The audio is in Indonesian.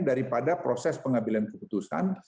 daripada proses pengambilan keputusan